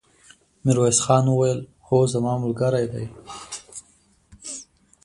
ميرويس خان وويل: هو، زما ملګری دی!